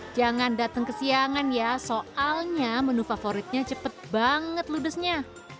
jangan datang ke siangan ya soalnya menu favoritnya cepet banget ludesnya